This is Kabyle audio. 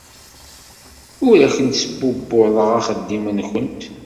Ur awent-sbubbuḍeɣ axeddim-nwent.